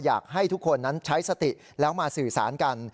อยากให้ทุกคนนั้นใช้สติแล้วมาสื่อสารกัน